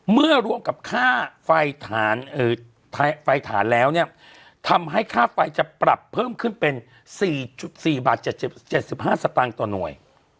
เมื่อรวมกับค่าไฟฐานแล้วเนี่ยทำให้ค่าไฟจะปรับเพิ่มขึ้นเป็น๔๔บาท๗๕สตางค์ต่อหน่วย